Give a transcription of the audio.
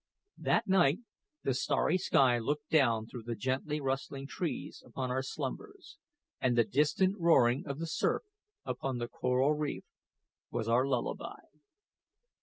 That night the starry sky looked down through the gently rustling trees upon our slumbers, and the distant roaring of the surf upon the coral reef was our lullaby.